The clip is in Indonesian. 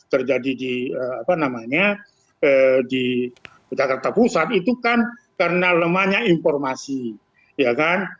terjadi di apa namanya di jakarta pusat itu kan karena lemahnya informasi ya kan